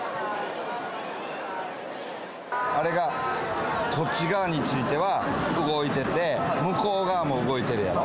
あれが、こっち側については動いてて、向こう側も動いてるやろ。